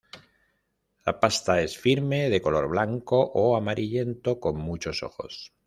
La pasta es firme, de color blanco o amarillento, con muchos ojos.